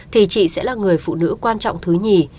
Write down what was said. thì chị sẽ là người phụ nữ quan trọng thứ nhì